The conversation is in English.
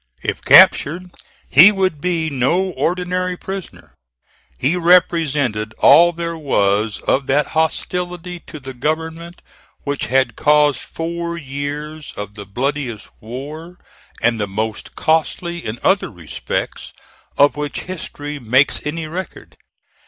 If captured, he would be no ordinary prisoner. He represented all there was of that hostility to the government which had caused four years of the bloodiest war and the most costly in other respects of which history makes any record.